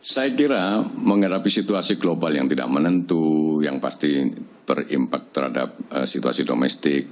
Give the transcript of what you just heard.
saya kira menghadapi situasi global yang tidak menentu yang pasti berimpak terhadap situasi domestik